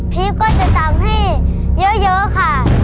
พีชก็จะสั่งให้เยอะค่ะ